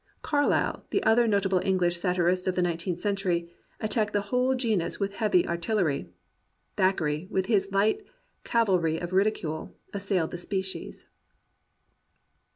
'* Carlyle, the other notable English satirist of the nineteenth century, attacked the whole genus with heavy artillery. Thackeray, with his hght cavalry of ridicule, assailed the species.